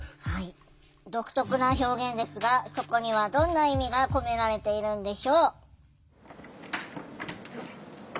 独特な表現ですがそこにはどんな意味が込められているんでしょう。